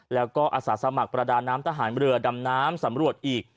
แล้วก็อาสาสมัครประดาน้ำทหารเรือดำน้ำสำรวจอีก